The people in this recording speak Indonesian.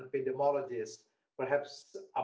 mungkin saya bukan orang yang terbaik